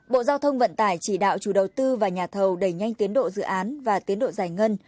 bộ giao thông vận tải chỉ đạo chủ đầu tư và nhà thầu đẩy nhanh tiến độ dự án và tiến độ giải ngân